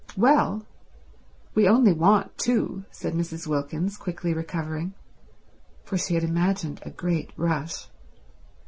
"Well, we only want two," said Mrs. Wilkins, quickly recovering, for she had imagined a great rush.